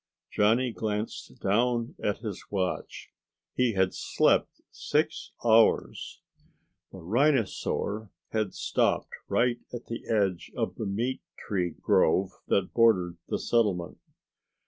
Johnny glanced down at his watch. He had slept six hours. The rhinosaur had stopped right at the edge of the meat tree grove that bordered the settlement.